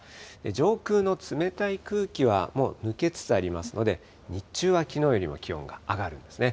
上空の冷たい空気は、もう抜けつつありますので、日中はきのうよりも気温が上がりますね。